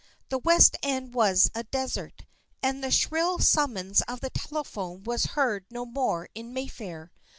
The West End was a desert, and the shrill summons of the telephone was heard no more in Mayfair.